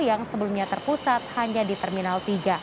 yang sebelumnya terpusat hanya di terminal tiga